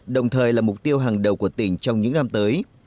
đồng thời là mục tiêu hàng đầu của tỉnh trong những năm tới